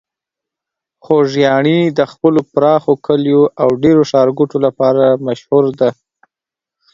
خوږیاڼي د خپلو پراخو کليو او ډیرو ښارګوټو لپاره مشهور ده.